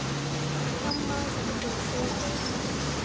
今晚食串燒